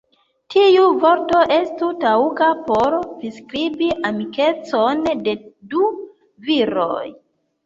Tiu vorto estu taŭga por priskribi amikecon de du viroj.